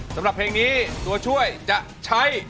สำหรับเพลงนี้ตัวช่วยจะใช้